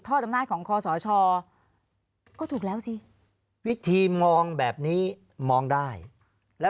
อำนาจของคอสชก็ถูกแล้วสิวิธีมองแบบนี้มองได้แล้ว